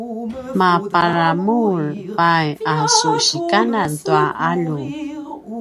maparamur pai a su sikanan tua alju?